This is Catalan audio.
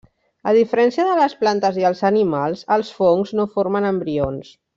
A diferència de les plantes i els animals, els fongs no formen embrions.